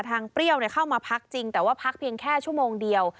เปรี้ยวเข้ามาพักจริงแต่ว่าพักเพียงแค่ชั่วโมงเดียว